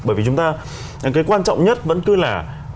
bởi vì chúng ta cái quan trọng nhất vẫn cứ là